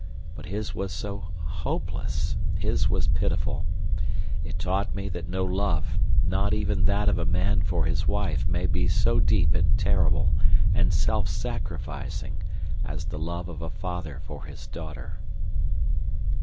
But his was so hopeless—his was pitiful. It taught me that no love, not even that of a man for his wife may be so deep and terrible and self sacrificing as the love of a father for his daughter."